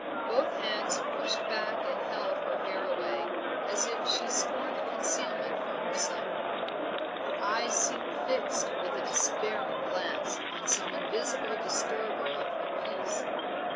Both hands pushed back and held her hair away as if she scorned concealment from herself. Her eyes seemed fixed with a despairing glance on some invisible disturber of her peace.